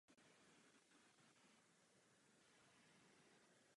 Jedním z dlouhodobých cílů je vytvoření společného trhu zapojených zemí.